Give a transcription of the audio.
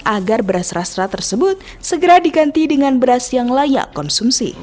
agar beras rastra tersebut segera diganti dengan beras yang layak konsumsi